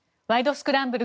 スクランブル」